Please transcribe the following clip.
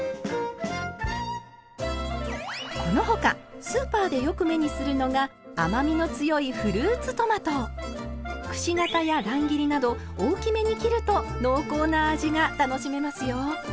この他スーパーでよく目にするのが甘みの強いくし形や乱切りなど大きめに切ると濃厚な味が楽しめますよ。